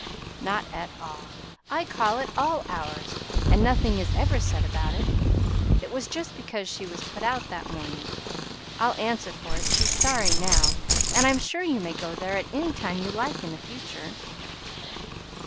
"Not at all; I call at all hours, and nothing is ever said about it. It was just because she was put out that morning. I'll answer for it she's sorry now, and I'm sure you may go there at any time you like in the future."